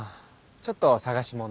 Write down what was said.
ちょっと探し物を。